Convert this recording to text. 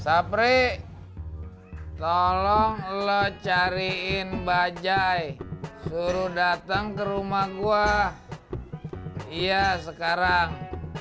sapri tolong lo cariin bajai suruh datang ke rumah gue iya sekarang